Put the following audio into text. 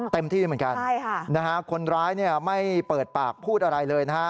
เต็มที่เหมือนกันใช่ค่ะนะฮะคนร้ายเนี่ยไม่เปิดปากพูดอะไรเลยนะฮะ